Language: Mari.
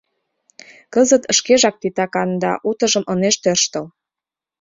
Кызыт шкежак титакан да утыжым ынеж тӧрштыл.